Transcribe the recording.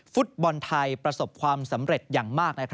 ฟุตบอลไทยประสบความสำเร็จอย่างมาก